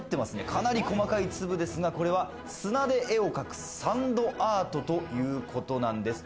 かなり細かい粒ですが、これは砂で絵を描くサンドアートということなんです。